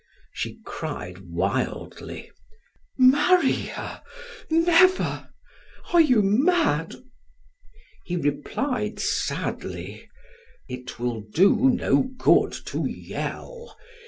She cried wildly: "Marry her, never! Are you mad?" He replied sadly: "It will do no good to yell!